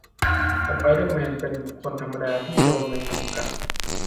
สไปเดอร์แมน เป็นคนธรรมดาที่โดนแมงมุมกัด